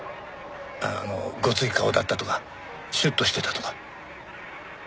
あのごつい顔だったとかシュッとしてたとか。